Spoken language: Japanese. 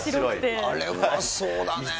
あれはうまそうだね。